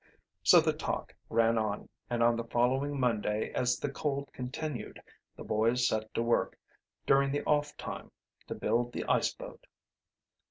So the talk ran on, and on the following Monday, as the cold continued, the boys set to work, during the off time, to build the ice boat.